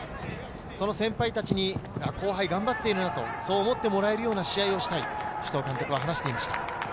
その先輩たちに後輩、頑張っているなと思ってもらえるような試合をしたいと首藤監督は話していました。